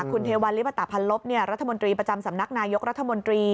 คุณเทวัลลิปตะพันลบรัฐมนตรีประจำสำนักนายกรัฐมนตรี